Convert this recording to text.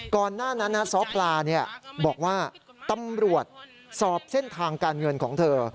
ก่อนหน้านั้นซ้อปลาบอกว่าตำรวจสอบเส้นทางการเงินของเธอ